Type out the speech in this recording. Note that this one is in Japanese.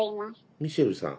ミシェルさん。